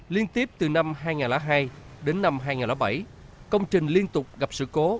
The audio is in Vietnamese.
liên tiếp từ năm hai nghìn hai đến năm hai nghìn bảy công trình liên tục gặp sự cố